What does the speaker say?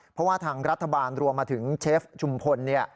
เพราะว่าทางรัฐบาลรวมมาถึงเชฟชุมพล